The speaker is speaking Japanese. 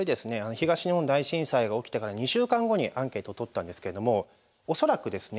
東日本大震災が起きてから２週間後にアンケートをとったんですけども恐らくですね